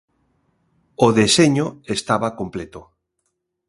o deseño estaba completo.